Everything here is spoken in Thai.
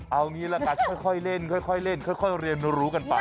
เอางี้แหละค่ะค่อยเล่นเรียนรู้กันไป